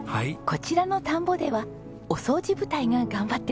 こちらの田んぼではお掃除部隊が頑張ってますよ。